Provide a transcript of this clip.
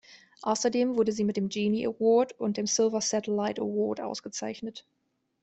Außerdem wurde sie mit dem Genie Award und dem Silver Satellite Award ausgezeichnet.